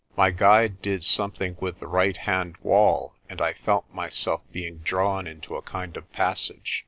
My guide did something with the right hand wall and I felt myself being drawn into a kind of passage.